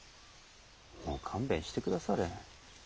もう勘弁してくだされ。